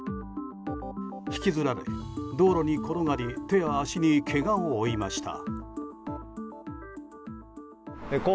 引きずられ、道路に転がり手や足にけがを負いました。